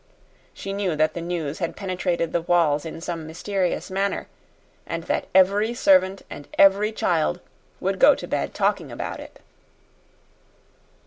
She knew that the news had penetrated the walls in some mysterious manner, and that every servant and every child would go to bed talking about it.